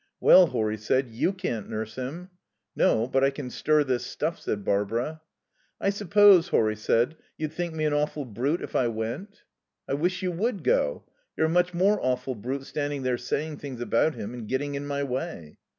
"Well," Horry said, "you can't nurse him." "No. But I can stir this stuff," said Barbara. "I suppose," Horry said, "you'd think me an awful brute if I went?" "I wish you would go. You're a much more awful brute standing there saying things about him and getting in my way."